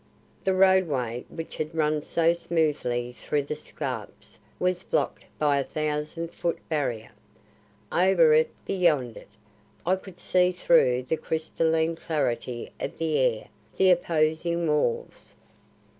The roadway which had run so smoothly through the scarps was blocked by a thousand foot barrier. Over it, beyond it, I could see through the crystalline clarity of the air the opposing walls.